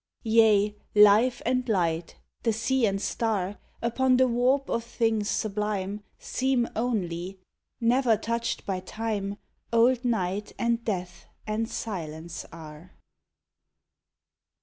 Yea, life and light, the sea and star, Upon the warp of things sublime, Seem only Never touched by time Old night and death and silence are.